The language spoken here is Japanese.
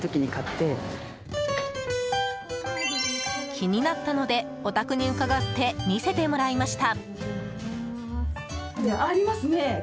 気になったのでお宅に伺って見せてもらいました。